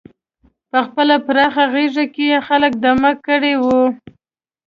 په خپله پراخه غېږه کې یې خلک دمه کړي وو.